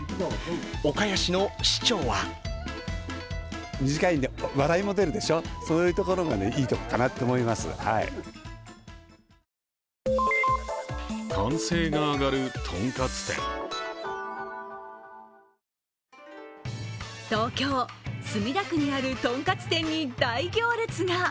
岡谷市の市長は東京・墨田区にあるとんかつ店に大行列が。